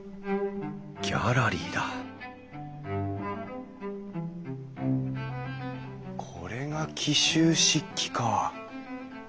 ギャラリーだこれが紀州漆器か。